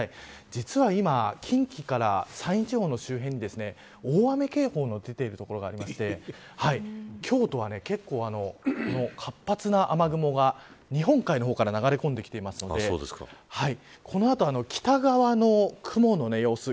実は今近畿から山陰地方の周辺に大雨警報が出ている所がありまして京都は、結構活発な雨雲が日本海の方から流れ込んできているのでこの後、北側の雲の様子。